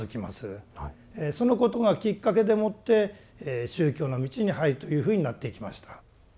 そのことがきっかけでもって宗教の道に入るというふうになっていきました。